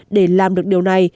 để làm được điều này